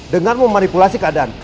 dengan memanipulasi keadaan